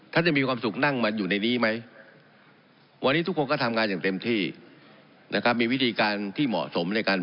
ว่าจะต้องไปไม่ละเมิดสิทธิคนอื่น